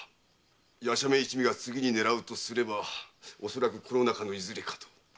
夜叉面一味が次に狙うとすればおそらくこの中のいずれかと。